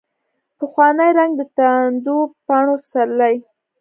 پخوانی رنګ، دتاندو پاڼو پسرلي